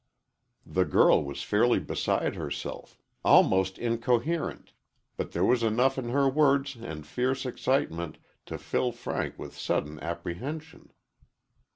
The girl was fairly beside herself almost incoherent but there was enough in her words and fierce excitement to fill Frank with sudden apprehension.